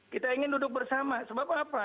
kita ingin duduk bersama sebab apa